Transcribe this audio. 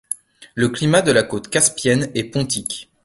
Le climat de la côte caspienne est pontique.